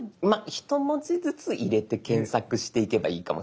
一文字ずつ入れて検索していけばいいかもしれないです。